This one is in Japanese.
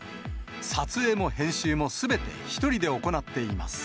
撮影も編集もすべて一人で行っています。